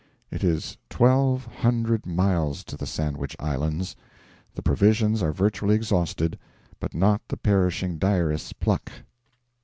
It is twelve hundred miles to the Sandwich Islands; the provisions are virtually exhausted, but not the perishing diarist's pluck.